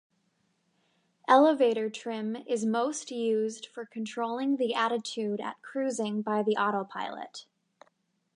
Elevator trim is most used for controlling the attitude at cruising by the autopilot.